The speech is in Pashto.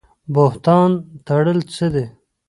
بهتان تړل څه دي؟